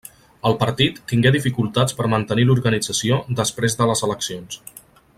El partit tingué dificultats per mantenir l'organització després de les eleccions.